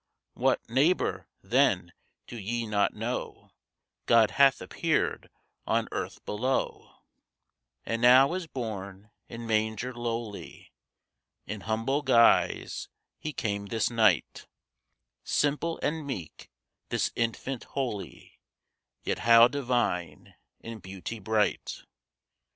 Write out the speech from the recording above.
What, neighbor, then do ye not know God hath appeared on earth below And now is born in manger lowly! In humble guise he came this night, Simple and meek, this infant holy, Yet how divine in beauty bright.